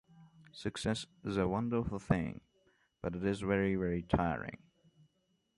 Success is a wonderful thing but it is very, very tiring.